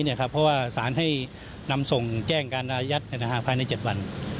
เพราะว่าสารให้นำส่งแจ้งการอายัดภายใน๗วัน